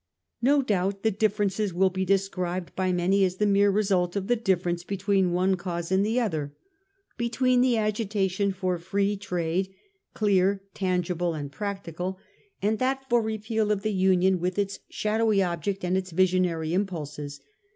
No doubt the difference will be described by many as the mere result of the dif ference between the one cause and the other ; between the agitation for Free Trade, clear, tangible and prac 848 A HISTORY OF OUR OWN TIMES. OH* XI YV^ tical, and that for Repeal of the Union with its shadowy "object and its visionary impulses.